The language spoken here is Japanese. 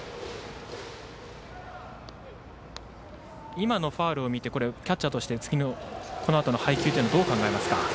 今のファウルを見てキャッチャーとしてこのあとの配球はどう考えますか？